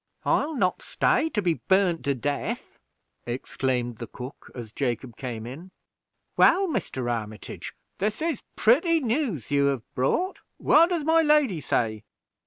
"I'll not stay to be burned to death," exclaimed the cook, as Jacob came in. "Well, Mr. Armitage, this is pretty news you have brought. What does my lady say!"